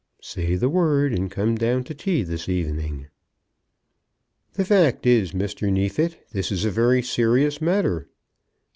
Say the word, and come down to tea this evening." "The fact is, Mr. Neefit, this is a very serious matter."